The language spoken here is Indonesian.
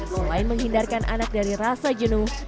selain menghindarkan anak dari rasa jenuh